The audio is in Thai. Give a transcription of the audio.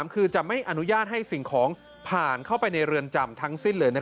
คือจะไม่อนุญาตให้สิ่งของผ่านเข้าไปในเรือนจำทั้งสิ้นเลย